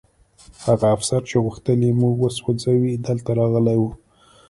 هغه افسر چې غوښتل یې موږ وسوځوي دلته راغلی و